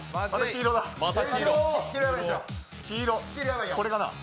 黄色、これだな。